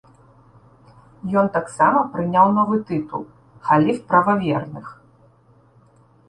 Ён таксама прыняў новы тытул халіф прававерных.